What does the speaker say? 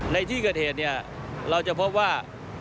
ในที่เกิดเหตุเราจะพบว่า